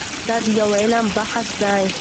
دا یو علمي بحث دی.